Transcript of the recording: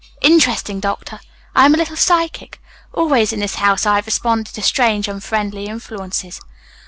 "Interesting, doctor! I am a little psychic. Always in this house I have responded to strange, unfriendly influences.